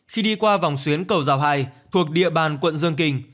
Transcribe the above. khi đi qua vòng xuyến cầu giao hai thuộc địa bàn quận dương kinh